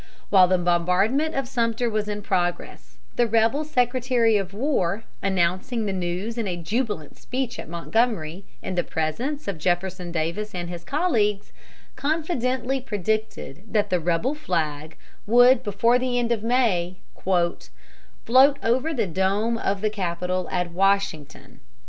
While the bombardment of Sumter was in progress, the rebel Secretary of War, announcing the news in a jubilant speech at Montgomery, in the presence of Jefferson Davis and his colleagues, confidently predicted that the rebel flag would before the end of May "float over the dome of the Capitol at Washington."